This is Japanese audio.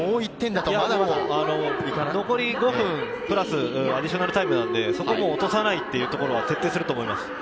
残り５分プラス、アディショナルタイムなんで、そこは落とさないというのは徹底すると思います。